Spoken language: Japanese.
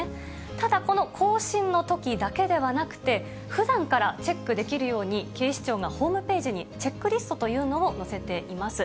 ただ、この更新のときだけではなくて、ふだんからチェックできるように、警視庁がホームページにチェックリストというのを載せています。